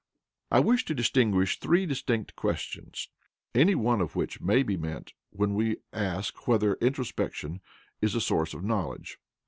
I wish to distinguish three distinct questions, any one of which may be meant when we ask whether introspection is a source of knowledge.